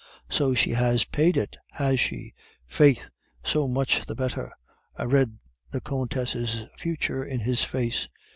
so she has paid it, has she? ... Faith, so much the better!" I read the Countess' future in his face.